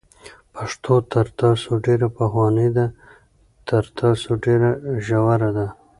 پښتو تر تاسو ډېره پخوانۍ ده، تر تاسو ډېره ژوره ده،